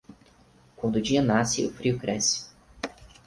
Quando o dia nasce, o frio cresce.